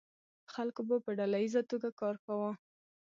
خلکو به په ډله ایزه توګه کار کاوه.